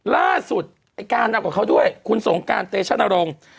ล่าสุดไอ้การเอากับเขาด้วยคุณสงการเตชนรงค์